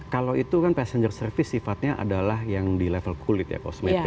kalau itu kan passenger service sifatnya adalah yang di level kulit ya kosmetik